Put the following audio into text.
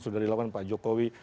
sudah dilakukan pak jokowi